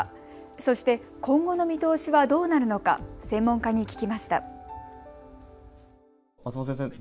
そして今後の見通しはどうなるのか専門家に聞きました。